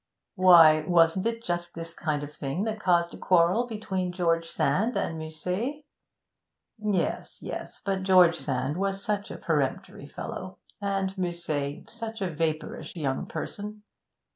'Why, wasn't it just this kind of thing that caused a quarrel between George Sand and Musset?' 'Yes, yes; but George Sand was such a peremptory fellow, and Musset such a vapourish young person.